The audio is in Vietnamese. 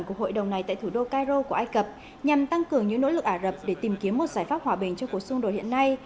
của hội đồng này tại thủ đô cairo của ai cập nhằm tăng cường những nỗ lực ảo để tìm kiếm một giải pháp hòa bình cho cuộc xung đột hiện nay